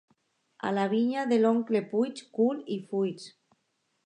A la vinya de l'oncle Puig, cull i fuig.